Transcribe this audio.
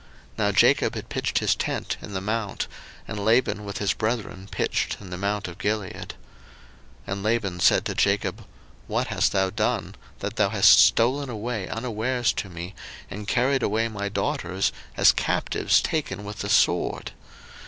Now Jacob had pitched his tent in the mount: and Laban with his brethren pitched in the mount of Gilead. 01:031:026 And Laban said to Jacob, What hast thou done, that thou hast stolen away unawares to me, and carried away my daughters, as captives taken with the sword?